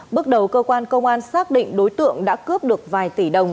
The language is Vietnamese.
bước đầu cơ quan công an xác định đối tượng đã cướp được vài tỷ đồng